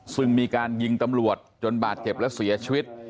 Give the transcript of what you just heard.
ซึ่งมีการยิงตำรวจจนบาดเจ็บและเสียชีวิต